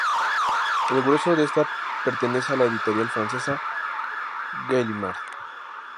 El grueso de esta pertenece a la editorial francesa Gallimard.